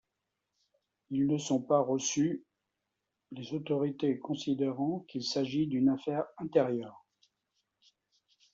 Ils ne sont pas reçus, les autorités considérant qu'il s'agit d'une affaire intérieure.